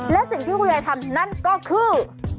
และสิ่งที่คุณยายทำนั่นก็คือ